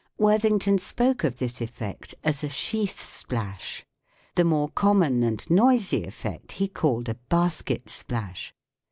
Worthington spoke of this effect as a sheath splash : the more common and noisy effect he called a basket splash.